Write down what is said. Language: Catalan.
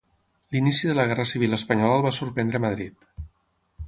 L'inici de la Guerra Civil Espanyola el va sorprendre a Madrid.